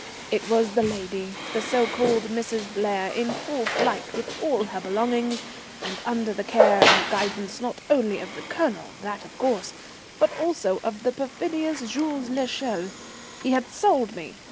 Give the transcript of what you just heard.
It was the lady, the so called Mrs. Blair, in full flight, with all her belongings, and under the care and guidance not only of the Colonel, that of course, but also of the perfidious Jules l'Echelle. He had sold me!